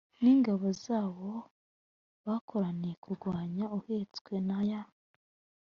n ingabo zabo bakoraniye kurwanya uhetswe na ya